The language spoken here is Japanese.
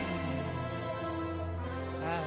ああ